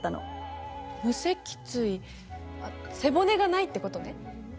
無脊椎背骨がないってことね。